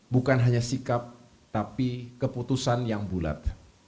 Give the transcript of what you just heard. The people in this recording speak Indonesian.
bukan hanya sikap tapi keputusan yang bulat